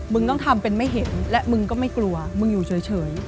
ต้องทำเป็นไม่เห็นและมึงก็ไม่กลัวมึงอยู่เฉย